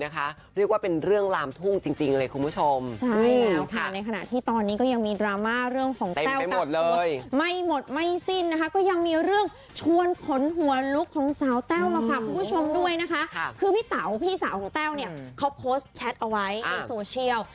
คือพี่เต๋าพี่สาวของเต๋าเนี่ยเขาโพสต์แชทเอาไว้ที่โซเชียล